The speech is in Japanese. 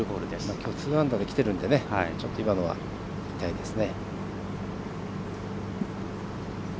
きょう２アンダーできてるのでちょっと今のは痛いですね。